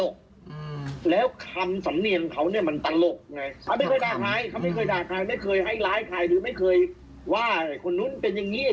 เขาไม่เคยด่าใครไม่เคยให้ร้ายใครหรือไม่เคยว่าคนนู้นเป็นอย่างนี้